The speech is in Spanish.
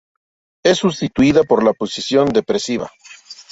Es sustituida por la posición depresiva.